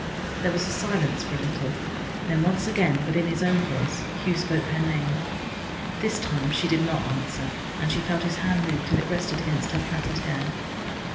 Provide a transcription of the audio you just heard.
There was silence for a little. Then once again, but in his own voice, Hugh spoke her name. This time she did not answer, and she felt his hand move till it rested against her plaited hair.